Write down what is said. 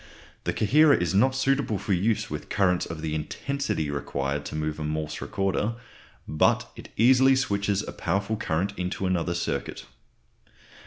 The coherer is not suitable for use with currents of the intensity required to move a Morse recorder, but it easily switches a powerful current into another circuit.